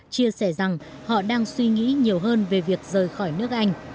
chia sẻ rằng họ đang suy nghĩ nhiều hơn về việc rời khỏi nước anh